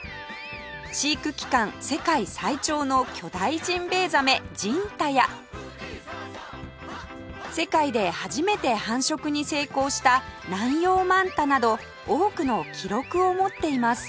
飼育期間世界最長の巨大ジンベエザメジンタや世界で初めて繁殖に成功したナンヨウマンタなど多くの記録を持っています